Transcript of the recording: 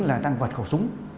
là tăng vật khẩu súng